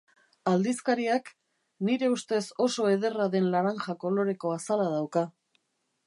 Aldizkariak, nire ustez oso ederra den laranja koloreko azala dauka.